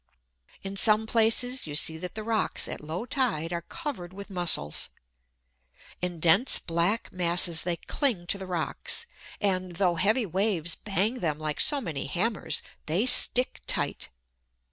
In some places you see that the rocks at low tide are covered with Mussels. In dense black masses they cling to the rocks; and, though heavy waves bang them like so many hammers, they stick tight.